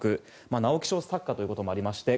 直木賞作家ということもありまして